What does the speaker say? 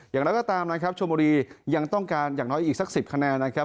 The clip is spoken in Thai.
อย่างไรก็ตามนะครับชมบุรียังต้องการอย่างน้อยอีกสัก๑๐คะแนนนะครับ